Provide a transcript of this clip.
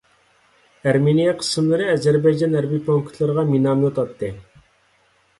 ئەرمېنىيە قىسىملىرى ئەزەربەيجان ھەربىي پونكىتلىرىغا مىناميوت ئاتتى.